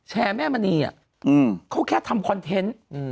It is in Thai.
แม่มณีเขาแค่ทำคอนเทนต์